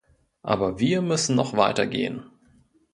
Aber wir müssen noch weiter gehen.